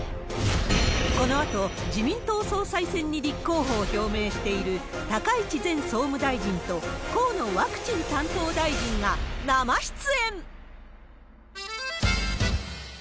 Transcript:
このあと、自民党総裁選に立候補を表明している高市前総務大臣と河野ワクチン担当大臣が生出演。